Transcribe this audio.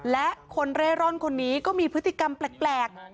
และคนเร่ร่อนคนนี้ก็มีพฤติกรรมแปลก